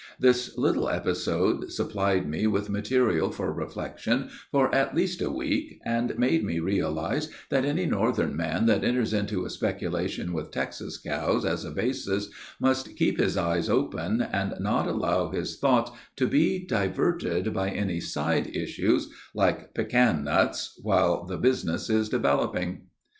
This little episode supplied me with material for reflection for at least a week, and made me realize that any northern man that enters into a speculation with Texas cows as a basis must keep his eyes open, and not allow his thoughts to be diverted by any side issues, like pecan nuts, while the business is developing.